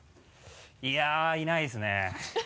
いやいないですね。